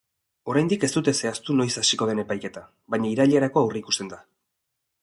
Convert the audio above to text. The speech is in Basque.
Oraindik ez dute zehaztu noiz hasiko den epaiketa, baina irailerako aurreikusten da.